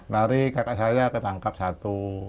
lari kakak saya ketangkap satu